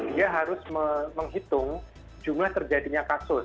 dia harus menghitung jumlah terjadinya kasus